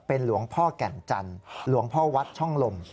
หลวงพ่อแก่นจันทร์หลวงพ่อวัดช่องลม